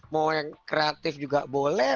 mau yang kreatif juga boleh